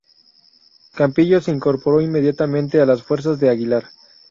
Campillo se incorporó inmediatamente a las fuerzas de Aguilar.